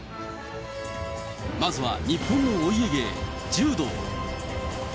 まずは日本のお家芸、柔道。